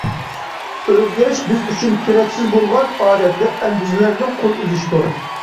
ئۆزگىرىش — بىز ئۈچۈن كېرەكسىز بولغان ئادەت ۋە ئەندىزىلەردىن قول ئۈزۈشتۇر.